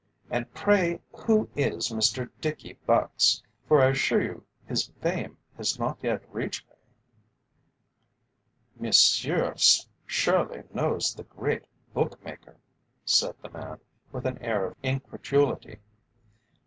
And pray who is Mr Dickie Bucks, for I assure you his fame has not yet reached me?" "Monsieur surely knows the great bookmaker," said the man, with an air of incredulity.